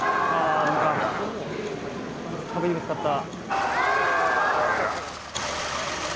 壁にぶつかった。